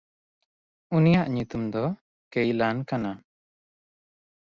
ᱩᱱᱤᱭᱟᱜ ᱧᱩᱛᱩᱢ ᱫᱚ ᱠᱮᱭᱞᱟᱱ ᱠᱟᱱᱟ᱾